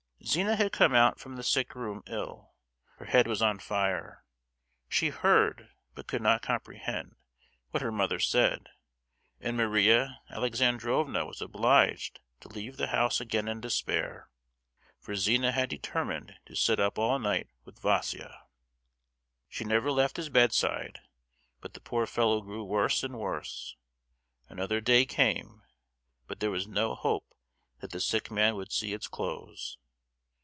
Zina had come out from the sick room ill: her head was on fire,—she heard, but could not comprehend, what her mother said; and Marie Alexandrovna was obliged to leave the house again in despair, for Zina had determined to sit up all night with Vaísia. She never left his bedside, but the poor fellow grew worse and worse. Another day came, but there was no hope that the sick man would see its close.